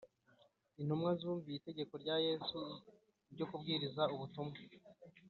Intumwa zumviye itegeko rya Yesu ryo kubwiriza ubutumwa